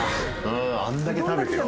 あんだけ食べてよ。